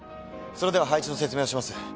それでは配置の説明をします。